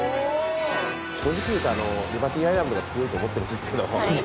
正直言うとリバティアイランドが強いと思ってるんですけど。